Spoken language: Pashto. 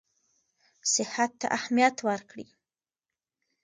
صحت ته اهمیت ورکړي.